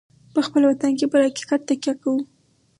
په خپل وطن کې پر حقیقت تکیه کوو.